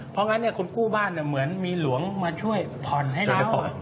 เพราะงั้นคนกู้บ้านเหมือนมีหลวงมาช่วยผ่อนให้เรา